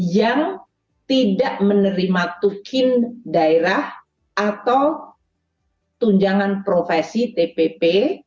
yang tidak menerima tukin daerah atau tunjangan profesi tpp